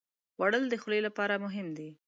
خوړل د خولې لپاره مهم دي